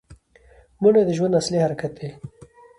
منډه د ژوند اصلي حرکت دی